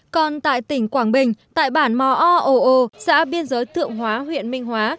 còn tại tỉnh quảng bình tại bản mò o xã biên giới thượng hóa huyện minh hóa